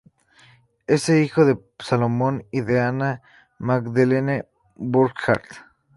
Era hijo de Salomon y de Anna Magdalene Burkhard.